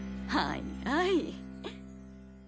はいはい。